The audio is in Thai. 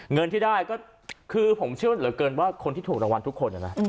เงินที่ได้ก็คือผมเชื่อเหลือเกินว่าคนที่ถูกรางวัลทุกคนนะ